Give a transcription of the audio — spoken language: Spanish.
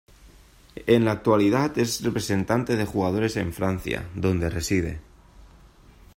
En la actualidad es representante de jugadores en Francia, donde reside.